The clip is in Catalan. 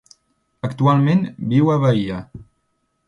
Actualment viu a Bahia.